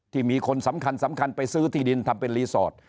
มีคนสำคัญสำคัญไปซื้อที่ดินทำเป็นรีสอร์ท